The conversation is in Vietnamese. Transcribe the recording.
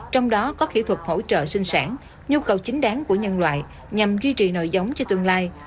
trong đó có kỹ thuật hỗ trợ sinh sản nhu cầu chính đáng của nhân loại nhằm duy trì nội giống cho tương lai